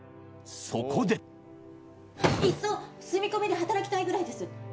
そこでいっそ住み込みで働きたいぐらいです